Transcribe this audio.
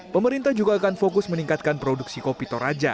pemerintah juga akan fokus meningkatkan produksi kopi toraja